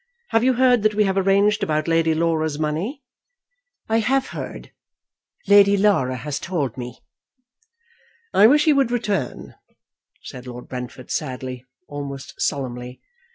Have you heard that we have arranged about Lady Laura's money?" "I have heard. Lady Laura has told me." "I wish he would return," said Lord Brentford sadly, almost solemnly.